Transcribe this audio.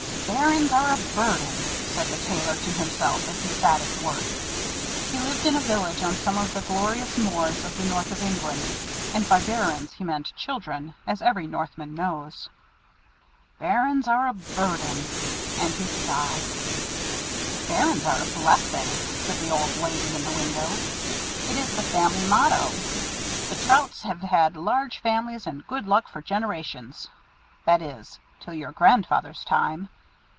"Bairns are a burden," said the Tailor to himself as he sat at work. He lived in a village on some of the glorious moors of the north of England; and by bairns he meant children, as every Northman knows. "Bairns are a burden," and he sighed. "Bairns are a blessing," said the old lady in the window. "It is the family motto. The Trouts have had large families and good luck for generations; that is, till your grandfather's time.